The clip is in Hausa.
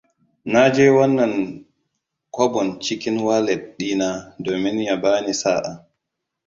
Na je wannan kwabon cikin walet dina domin ya bani sa'a.